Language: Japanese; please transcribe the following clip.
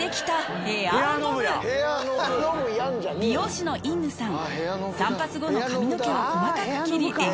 美容師のイッヌさん